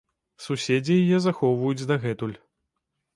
Суседзі яе захоўваюць дагэтуль.